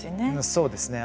そうですね。